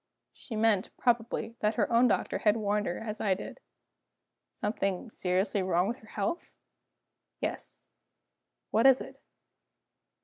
"She meant, probably, that her own doctor had warned her as I did." "Something seriously wrong with her health?" "Yes." "What is it?"